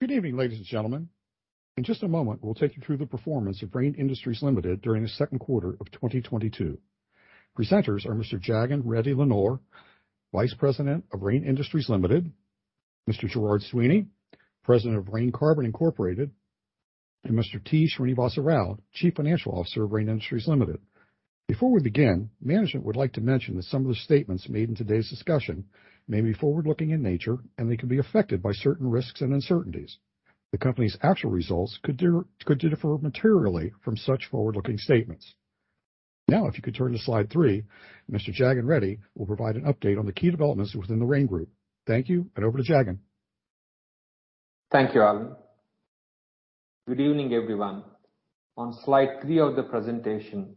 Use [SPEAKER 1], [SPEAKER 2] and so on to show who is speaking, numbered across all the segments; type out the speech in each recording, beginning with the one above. [SPEAKER 1] Good evening, ladies and gentlemen. In just a moment, we'll take you through the performance of Rain Industries Limited during the second quarter of 2022. Presenters are Mr. Jagan Reddy Nellore, Vice President of Rain Industries Limited, Mr. Gerard Sweeney, President of Rain Carbon Inc., and Mr. T. Srinivasa Rao, Chief Financial Officer of Rain Industries Limited. Before we begin, management would like to mention that some of the statements made in today's discussion may be forward-looking in nature, and they can be affected by certain risks and uncertainties. The company's actual results could differ materially from such forward-looking statements. Now, if you could turn to slide 3, Mr. Jagan Reddy will provide an update on the key developments within the Rain group. Thank you, and over to Jagan.
[SPEAKER 2] Thank you, Alan. Good evening, everyone. On slide three of the presentation,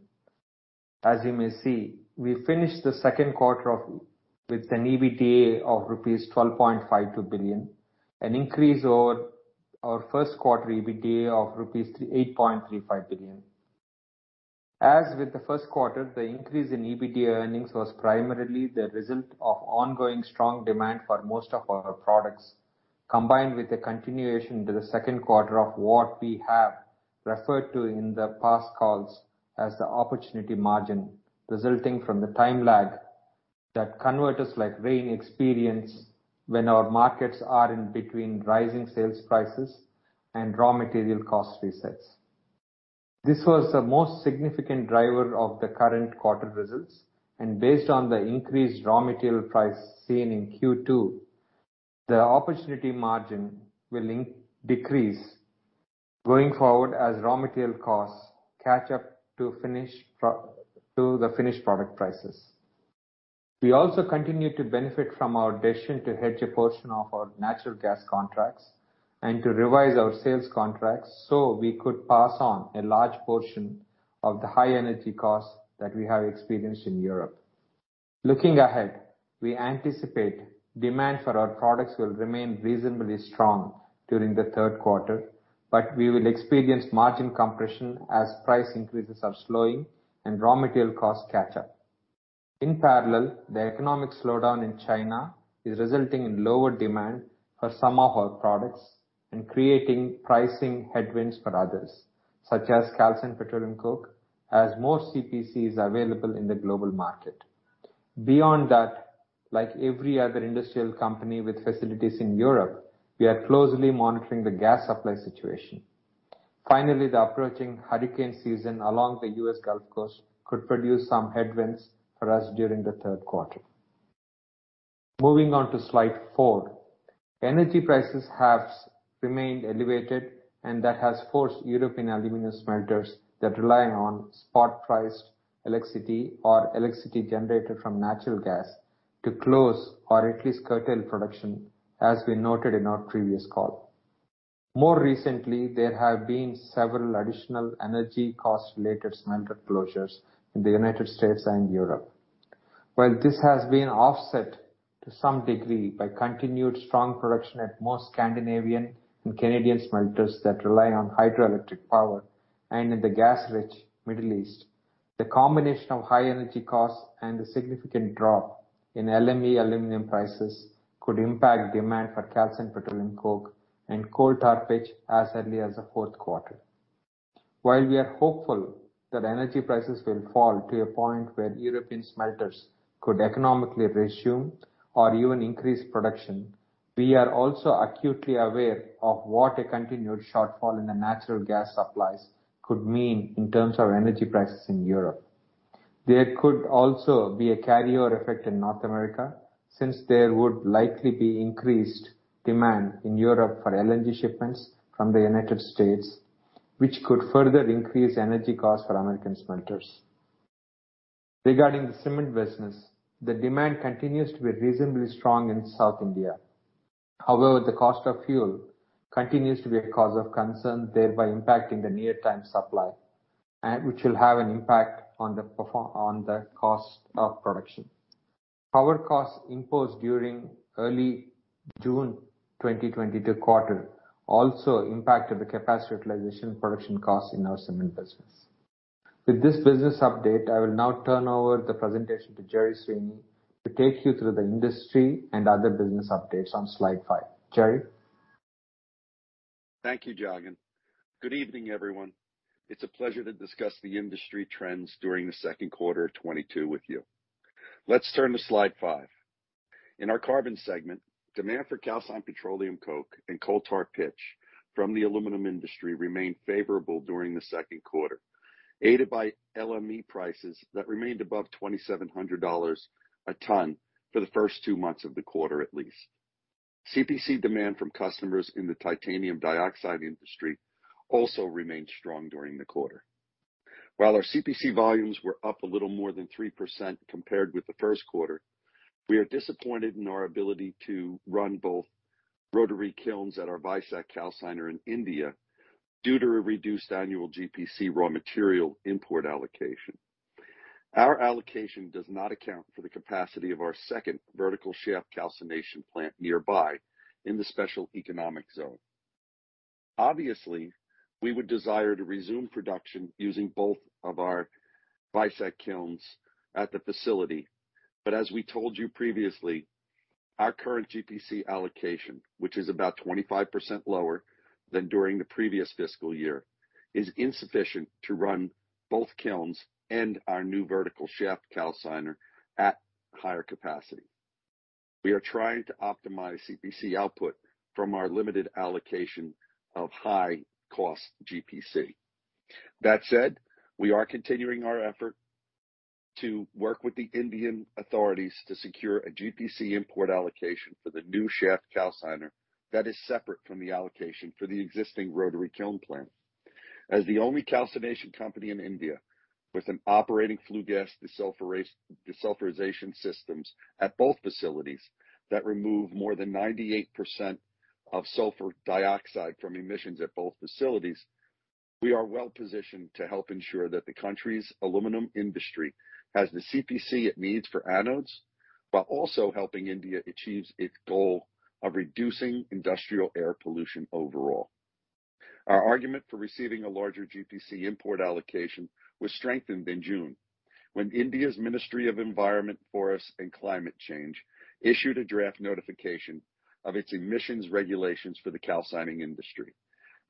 [SPEAKER 2] as you may see, we finished the second quarter with an EBITDA of rupees 12.52 billion, an increase over our first quarter EBITDA of rupees 8.35 billion. As with the first quarter, the increase in EBITDA earnings was primarily the result of ongoing strong demand for most of our products, combined with a continuation to the second quarter of what we have referred to in the past calls as the opportunity margin, resulting from the time lag that converters like Rain experience when our markets are in between rising sales prices and raw material cost resets. This was the most significant driver of the current quarter results, and based on the increased raw material price seen in Q2, the opportunity margin will decrease going forward as raw material costs catch up to the finished product prices. We also continue to benefit from our decision to hedge a portion of our natural gas contracts and to revise our sales contracts so we could pass on a large portion of the high energy costs that we have experienced in Europe. Looking ahead, we anticipate demand for our products will remain reasonably strong during the third quarter, but we will experience margin compression as price increases are slowing and raw material costs catch up. In parallel, the economic slowdown in China is resulting in lower demand for some of our products and creating pricing headwinds for others, such as calcined petroleum coke, as more CPC is available in the global market. Beyond that, like every other industrial company with facilities in Europe, we are closely monitoring the gas supply situation. Finally, the approaching hurricane season along the U.S. Gulf Coast could produce some headwinds for us during the third quarter. Moving on to slide four. Energy prices have remained elevated, and that has forced European aluminum smelters that rely on spot-priced electricity or electricity generated from natural gas to close or at least curtail production, as we noted in our previous call. More recently, there have been several additional energy cost-related smelter closures in the United States and Europe. While this has been offset to some degree by continued strong production at most Scandinavian and Canadian smelters that rely on hydroelectric power and in the gas-rich Middle East, the combination of high energy costs and the significant drop in LME aluminum prices could impact demand for calcined petroleum coke and coal tar pitch as early as the fourth quarter. While we are hopeful that energy prices will fall to a point where European smelters could economically resume or even increase production, we are also acutely aware of what a continued shortfall in the natural gas supplies could mean in terms of energy prices in Europe. There could also be a carryover effect in North America, since there would likely be increased demand in Europe for LNG shipments from the United States, which could further increase energy costs for American smelters. Regarding the cement business, the demand continues to be reasonably strong in South India. However, the cost of fuel continues to be a cause of concern, thereby impacting the near-term supply, which will have an impact on the cost of production. Power costs imposed during early June 2022 quarter also impacted the capacity utilization production costs in our cement business. With this business update, I will now turn over the presentation to Gerard Sweeney to take you through the industry and other business updates on slide five. Gerard?
[SPEAKER 3] Thank you, Jagan. Good evening, everyone. It's a pleasure to discuss the industry trends during the second quarter of 2022 with you. Let's turn to slide 5. In our carbon segment, demand for calcined petroleum coke and coal tar pitch from the aluminum industry remained favorable during the second quarter, aided by LME prices that remained above $2,700 a ton for the first two months of the quarter at least. CPC demand from customers in the titanium dioxide industry also remained strong during the quarter. While our CPC volumes were up a little more than 3% compared with the first quarter, we are disappointed in our ability to run both rotary kilns at our Vizag calciner in India due to a reduced annual GPC raw material import allocation. Our allocation does not account for the capacity of our second vertical shaft calcination plant nearby in the special economic zone. Obviously, we would desire to resume production using both of our Vizag kilns at the facility. As we told you previously, our current GPC allocation, which is about 25% lower than during the previous fiscal year, is insufficient to run both kilns and our new vertical shaft calciner at higher capacity. We are trying to optimize CPC output from our limited allocation of high-cost GPC. That said, we are continuing our effort to work with the Indian authorities to secure a GPC import allocation for the new shaft calciner that is separate from the allocation for the existing rotary kiln plant. As the only calcination company in India with an operating flue gas desulfurization systems at both facilities that remove more than 98% of sulfur dioxide from emissions at both facilities, we are well-positioned to help ensure that the country's aluminum industry has the CPC it needs for anodes, while also helping India achieve its goal of reducing industrial air pollution overall. Our argument for receiving a larger GPC import allocation was strengthened in June when India's Ministry of Environment, Forest and Climate Change issued a draft notification of its emissions regulations for the calcining industry,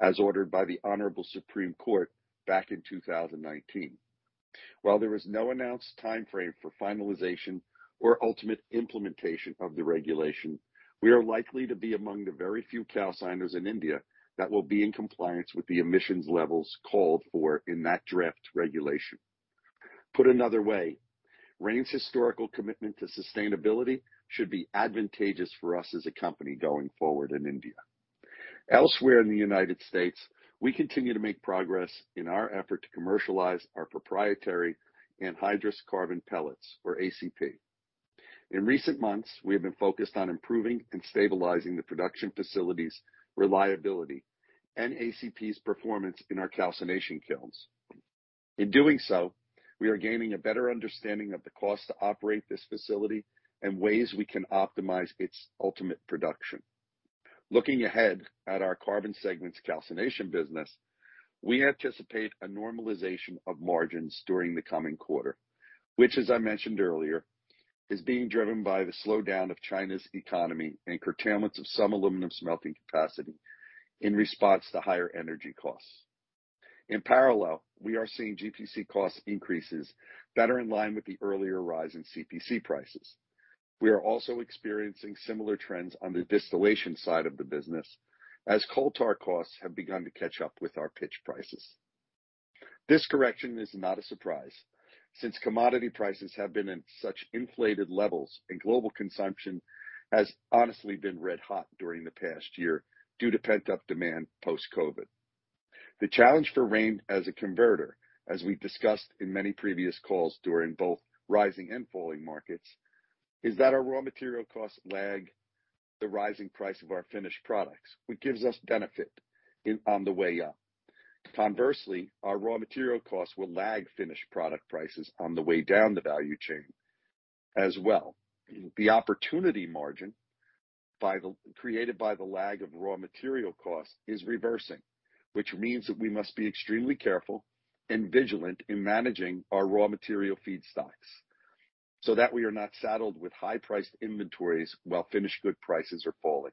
[SPEAKER 3] as ordered by the Honorable Supreme Court back in 2019. While there was no announced timeframe for finalization or ultimate implementation of the regulation, we are likely to be among the very few calciners in India that will be in compliance with the emissions levels called for in that draft regulation. Put another way, Rain's historical commitment to sustainability should be advantageous for us as a company going forward in India. Elsewhere in the United States, we continue to make progress in our effort to commercialize our proprietary anhydrous carbon pellets or ACP. In recent months, we have been focused on improving and stabilizing the production facility's reliability and ACP's performance in our calcination kilns. In doing so, we are gaining a better understanding of the cost to operate this facility and ways we can optimize its ultimate production. Looking ahead at our Carbon segment's calcination business, we anticipate a normalization of margins during the coming quarter, which, as I mentioned earlier, is being driven by the slowdown of China's economy and curtailments of some aluminum smelting capacity in response to higher energy costs. In parallel, we are seeing GPC cost increases better in line with the earlier rise in CPC prices. We are also experiencing similar trends on the distillation side of the business as coal tar costs have begun to catch up with our pitch prices. This correction is not a surprise since commodity prices have been in such inflated levels and global consumption has honestly been red hot during the past year due to pent-up demand post-COVID. The challenge for Rain as a converter, as we've discussed in many previous calls during both rising and falling markets, is that our raw material costs lag the rising price of our finished products, which gives us benefit on the way up. Conversely, our raw material costs will lag finished product prices on the way down the value chain as well. The opportunity margin created by the lag of raw material costs is reversing, which means that we must be extremely careful and vigilant in managing our raw material feedstocks so that we are not saddled with high-priced inventories while finished good prices are falling.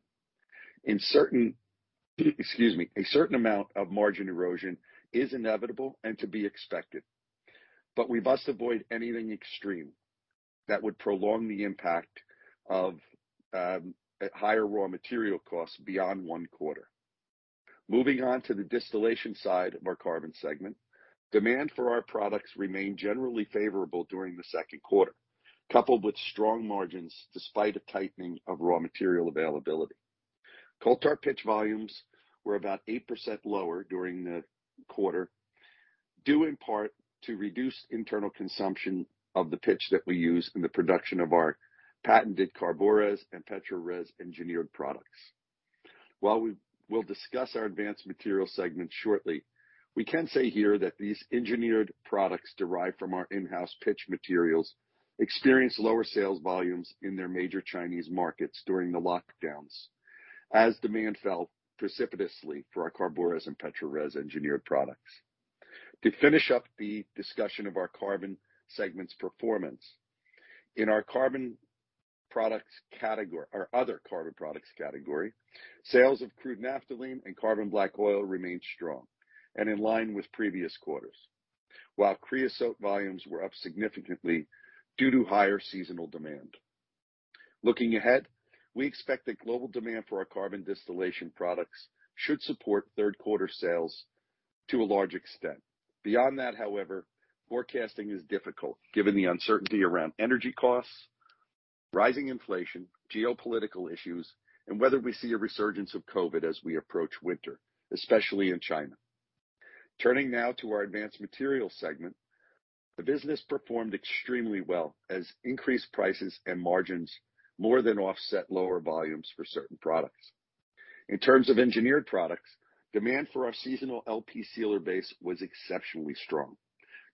[SPEAKER 3] Excuse me. A certain amount of margin erosion is inevitable and to be expected, but we must avoid anything extreme that would prolong the impact of higher raw material costs beyond one quarter. Moving on to the distillation side of our Carbon segment, demand for our products remained generally favorable during the second quarter, coupled with strong margins despite a tightening of raw material availability. Coal tar pitch volumes were about 8% lower during the quarter, due in part to reduced internal consumption of the pitch that we use in the production of our patented CARBORES and PETRORES engineered products. While we will discuss our Advanced Materials segment shortly, we can say here that these engineered products derived from our in-house pitch materials experienced lower sales volumes in their major Chinese markets during the lockdowns as demand fell precipitously for our CARBORES and PetroRez engineered products. To finish up the discussion of our carbon segment's performance, in our carbon products category, or other carbon products category, sales of crude naphthalene and carbon black oil remained strong and in line with previous quarters, while creosote volumes were up significantly due to higher seasonal demand. Looking ahead, we expect that global demand for our carbon distillation products should support third quarter sales to a large extent. Beyond that, however, forecasting is difficult given the uncertainty around energy costs, rising inflation, geopolitical issues, and whether we see a resurgence of COVID as we approach winter, especially in China. Turning now to our advanced materials segment, the business performed extremely well as increased prices and margins more than offset lower volumes for certain products. In terms of engineered products, demand for our seasonal LP Sealer Base was exceptionally strong.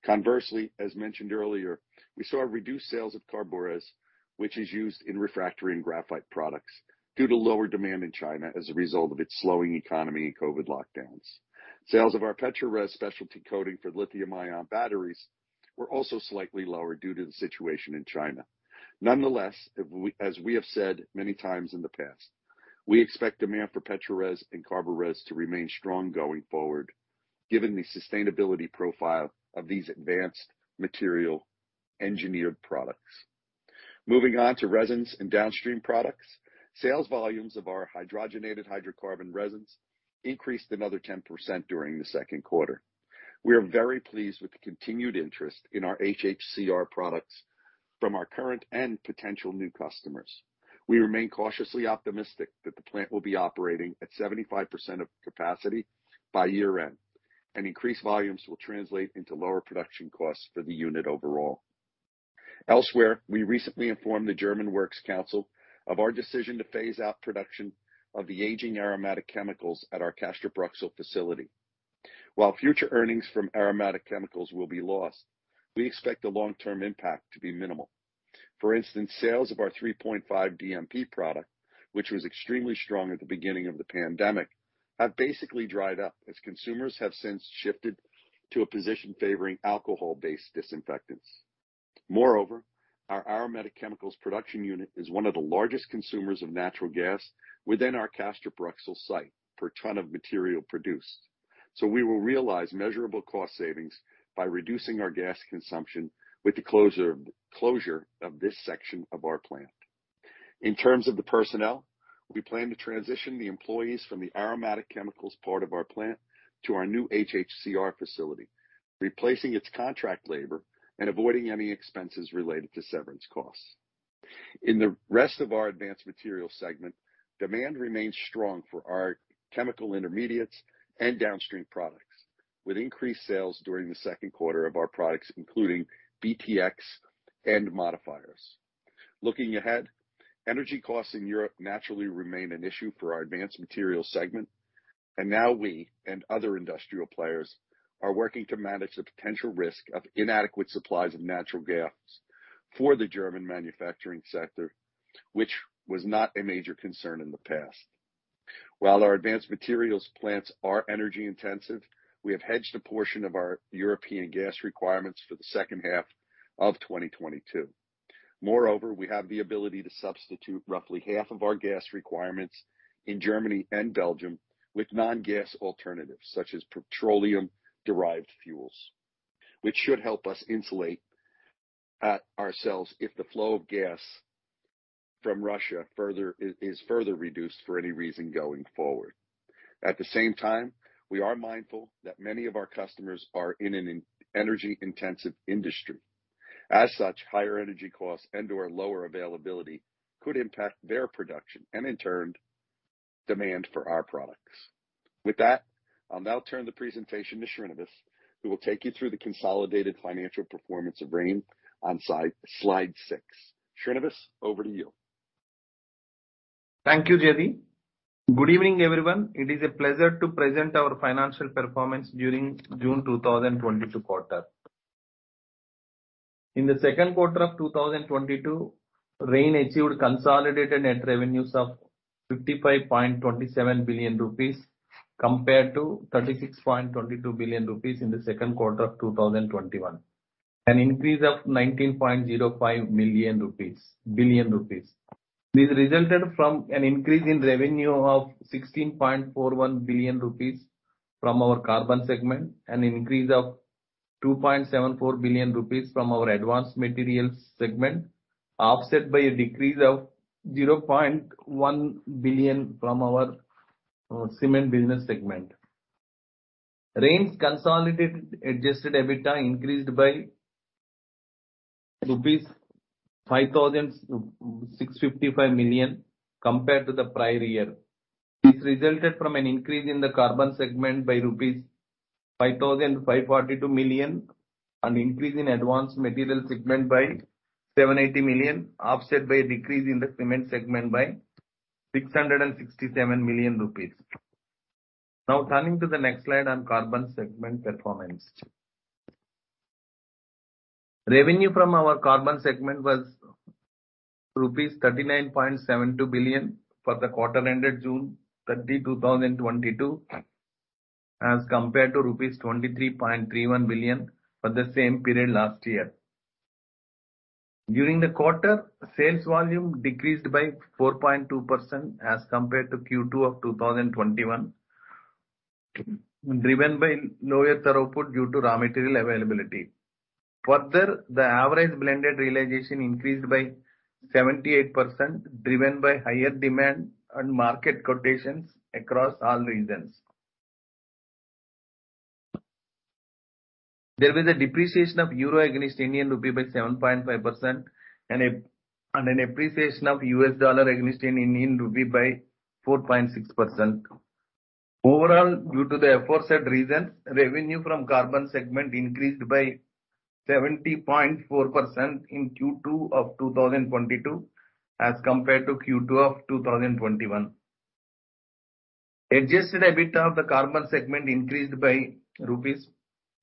[SPEAKER 3] Conversely, as mentioned earlier, we saw a reduced sales of Carborex, which is used in refractory and graphite products due to lower demand in China as a result of its slowing economy and COVID lockdowns. Sales of our PETRORES specialty coating for lithium-ion batteries were also slightly lower due to the situation in China. Nonetheless, we have said many times in the past, we expect demand for PETRORES and Carborex to remain strong going forward, given the sustainability profile of these advanced material engineered products. Moving on to resins and downstream products. Sales volumes of our hydrogenated hydrocarbon resins increased another 10% during the second quarter. We are very pleased with the continued interest in our HHCR products from our current and potential new customers. We remain cautiously optimistic that the plant will be operating at 75% of capacity by year-end, and increased volumes will translate into lower production costs for the unit overall. Elsewhere, we recently informed the German Works Council of our decision to phase out production of the aging aromatic chemicals at our Castrop-Rauxel facility. While future earnings from aromatic chemicals will be lost, we expect the long-term impact to be minimal. For instance, sales of our 3.5 DMP product, which was extremely strong at the beginning of the pandemic, have basically dried up as consumers have since shifted to a position favoring alcohol-based disinfectants. Moreover, our aromatic chemicals production unit is one of the largest consumers of natural gas within our Castrop-Rauxel site per ton of material produced. We will realize measurable cost savings by reducing our gas consumption with the closure of this section of our plant. In terms of the personnel, we plan to transition the employees from the aromatic chemicals part of our plant to our new HHCR facility, replacing its contract labor and avoiding any expenses related to severance costs. In the rest of our advanced materials segment, demand remains strong for our chemical intermediates and downstream products, with increased sales during the second quarter of our products, including BTX and modifiers. Looking ahead, energy costs in Europe naturally remain an issue for our advanced materials segment, and now we and other industrial players are working to manage the potential risk of inadequate supplies of natural gas for the German manufacturing sector, which was not a major concern in the past. While our advanced materials plants are energy intensive, we have hedged a portion of our European gas requirements for the second half of 2022. Moreover, we have the ability to substitute roughly half of our gas requirements in Germany and Belgium with non-gas alternatives such as petroleum-derived fuels, which should help us insulate ourselves if the flow of gas from Russia is further reduced for any reason going forward. At the same time, we are mindful that many of our customers are in an energy-intensive industry. As such, higher energy costs and/or lower availability could impact their production and in turn, demand for our products. With that, I'll now turn the presentation to Srinivas, who will take you through the consolidated financial performance of Rain on slide six. Srinivas, over to you.
[SPEAKER 4] Thank you, JD. Good evening, everyone. It is a pleasure to present our financial performance for the second quarter of 2022. In the second quarter of 2022, Rain achieved consolidated net revenues of 55.27 billion rupees compared to 36.22 billion rupees in the second quarter of 2021, an increase of 19.05 billion rupees. This resulted from an increase in revenue of 16.41 billion rupees from our Carbon segment, an increase of 2.74 billion rupees from our Advanced Materials segment, offset by a decrease of 0.1 billion from our cement business. Rain's consolidated adjusted EBITDA increased by rupees 5,655 million compared to the prior year. This resulted from an increase in the Carbon segment by rupees 5,542 million, an increase in Advanced Materials segment by 780 million, offset by a decrease in the cement segment by 667 million rupees. Now turning to the next slide on Carbon segment performance. Revenue from our Carbon segment was rupees 39.72 billion for the quarter ended June 30, 2022, as compared to rupees 23.31 billion for the same period last year. During the quarter, sales volume decreased by 4.2% as compared to Q2 of 2021, driven by lower throughput due to raw material availability. Further, the average blended realization increased by 78%, driven by higher demand and market quotations across all regions. There was a depreciation of euro against Indian rupee by 7.5% and an appreciation of US dollar against Indian rupee by 4.6%. Overall, due to the aforesaid reasons, revenue from carbon segment increased by 70.4% in Q2 of 2022 as compared to Q2 of 2021. Adjusted EBITDA of the carbon segment increased by rupees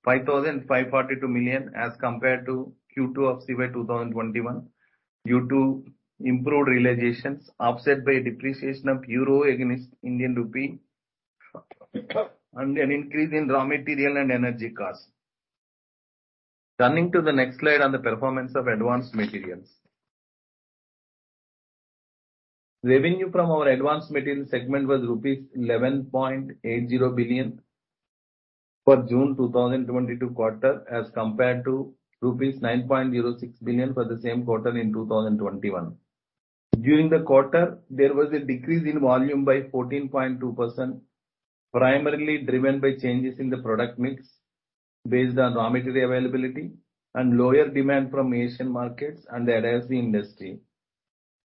[SPEAKER 4] 5,542 million as compared to Q2 of CY 2021, due to improved realizations offset by depreciation of euro against Indian rupee, and an increase in raw material and energy costs. Turning to the next slide on the performance of Advanced Materials. Revenue from our Advanced Materials segment was rupees 11.80 billion for June 2022 quarter, as compared to rupees 9.06 billion for the same quarter in 2021. During the quarter, there was a decrease in volume by 14.2%, primarily driven by changes in the product mix based on raw material availability and lower demand from Asian markets and the adhesive industry.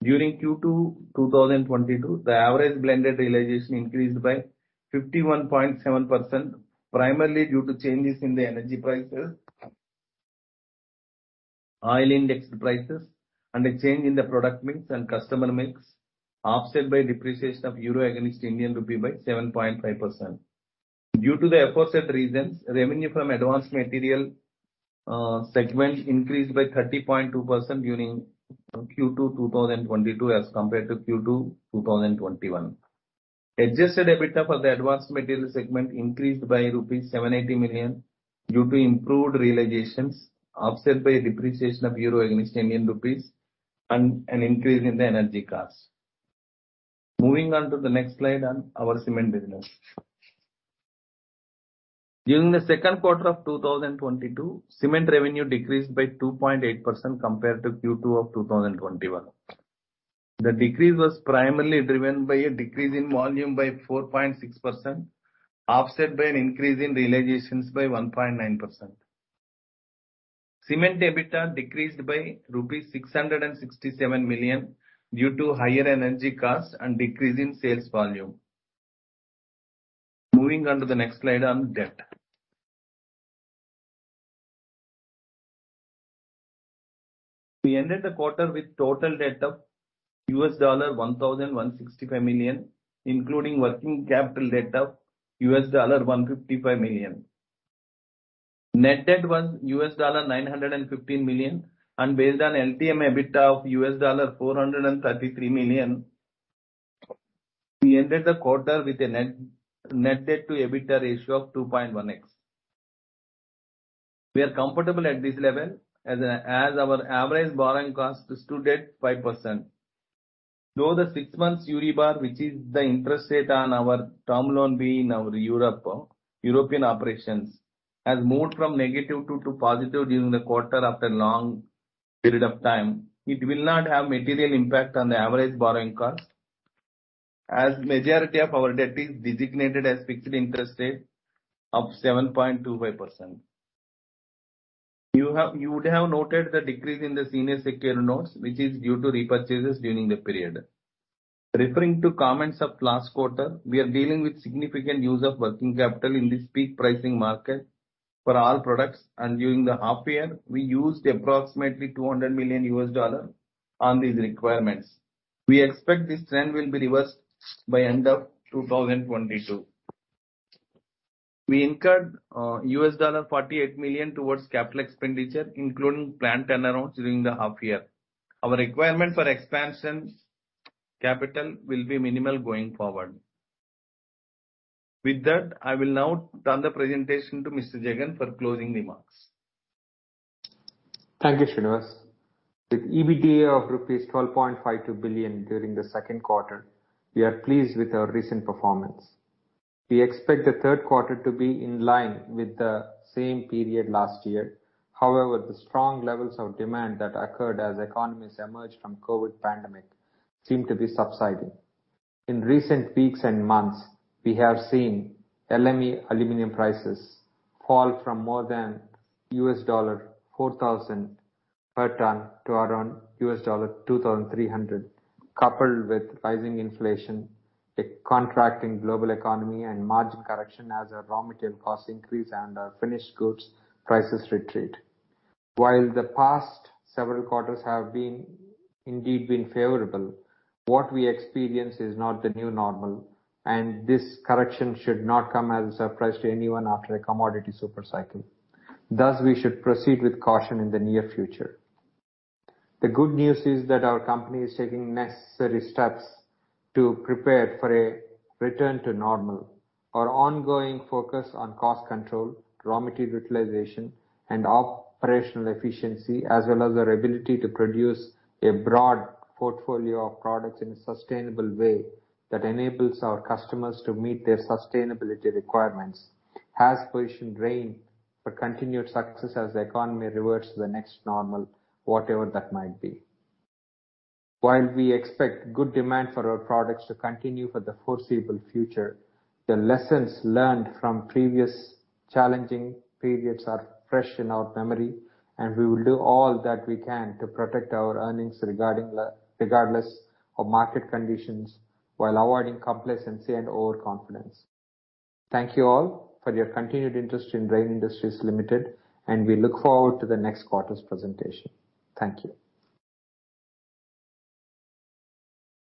[SPEAKER 4] During Q2 2022, the average blended realization increased by 51.7%, primarily due to changes in the energy prices, oil-indexed prices, and a change in the product mix and customer mix, offset by depreciation of euro against Indian rupee by 7.5%. Due to the aforesaid reasons, revenue from advanced materials segment increased by 30.2% during Q2 2022 as compared to Q2 2021. Adjusted EBITDA for the Advanced Materials segment increased by rupees 780 million due to improved realizations offset by depreciation of euro against Indian rupee and an increase in the energy costs. Moving on to the next slide on our cement business. During the second quarter of 2022, cement revenue decreased by 2.8% compared to Q2 of 2021. The decrease was primarily driven by a decrease in volume by 4.6%, offset by an increase in realizations by 1.9%. Cement EBITDA decreased by rupees 667 million due to higher energy costs and decrease in sales volume. Moving on to the next slide on debt. We ended the quarter with total debt of $1,165 million, including working capital debt of $155 million. Net debt was $915 million, and based on LTM EBITDA of $433 million, we ended the quarter with a net debt to EBITDA ratio of 2.1x. We are comfortable at this level as our average borrowing cost stood at 5%. Though the six months Euribor, which is the interest rate on our Term Loan B in our European operations, has moved from negative to positive during the quarter after long period of time, it will not have material impact on the average borrowing cost, as majority of our debt is designated as fixed interest rate of 7.25%. You would have noted the decrease in the senior secured notes, which is due to repurchases during the period. Referring to comments of last quarter, we are dealing with significant use of working capital in this peak pricing market for all products. During the half year, we used approximately $200 million on these requirements. We expect this trend will be reversed by end of 2022. We incurred $48 million towards capital expenditure, including plant turnarounds during the half year. Our requirement for expansions capital will be minimal going forward. With that, I will now turn the presentation to Mr. Jagan for closing remarks.
[SPEAKER 2] Thank you, Srinivas. With EBITDA of rupees 12.52 billion during the second quarter, we are pleased with our recent performance. We expect the third quarter to be in line with the same period last year. However, the strong levels of demand that occurred as economies emerged from COVID pandemic seem to be subsiding. In recent weeks and months, we have seen LME aluminum prices fall from more than $4,000 per ton to around $2,300, coupled with rising inflation, a contracting global economy and margin correction as our raw material costs increase and our finished goods prices retreat. While the past several quarters have been indeed favorable, what we experience is not the new normal, and this correction should not come as a surprise to anyone after a commodity super cycle. Thus, we should proceed with caution in the near future. The good news is that our company is taking necessary steps to prepare for a return to normal. Our ongoing focus on cost control, raw material utilization, and operational efficiency, as well as our ability to produce a broad portfolio of products in a sustainable way that enables our customers to meet their sustainability requirements, has positioned Rain for continued success as the economy reverts to the next normal, whatever that might be. While we expect good demand for our products to continue for the foreseeable future, the lessons learned from previous challenging periods are fresh in our memory, and we will do all that we can to protect our earnings regardless of market conditions, while avoiding complacency and overconfidence. Thank you all for your continued interest in Rain Industries Limited, and we look forward to the next quarter's presentation. Thank you.